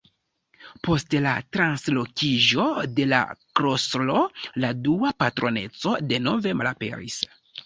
Post la translokiĝo de la klostro la dua patroneco denove malaperis.